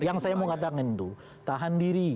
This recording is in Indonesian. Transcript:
yang saya mau katakan itu tahan diri